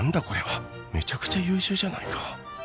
これはめちゃくちゃ優秀じゃないか